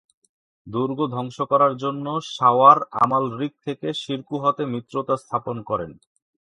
দুর্গ ধ্বংস করার জন্য শাওয়ার আমালরিক থেকে শিরকুহতে মিত্রতা স্থাপন করেন।